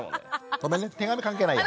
ごめんね手紙関係ないや。